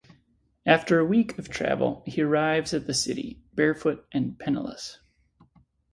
After a week of travel, he arrives at the city, barefoot and penniless.